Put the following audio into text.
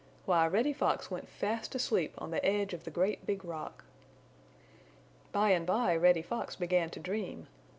Why, Reddy Fox went fast asleep on the edge of the great Big Rock. By and by Reddy Fox began to dream.